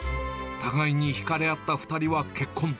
互いに引かれ合った２人は結婚。